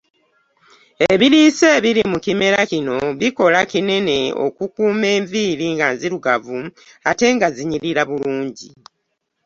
Ebiriisa ebiri mu kimera kino bikola kinene okukuuma enviiri nga nzirugavu ate nga zinyirira bulungi.